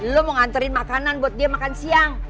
lo mau nganterin makanan buat dia makan siang